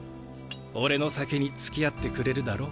俺の酒につきあってくれるだろ？